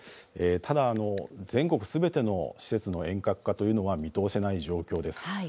ただ、全国すべての施設の遠隔化というのは見通せない状況です。